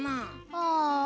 ああ。